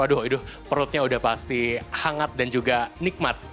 aduh perutnya sudah pasti hangat dan juga nikmat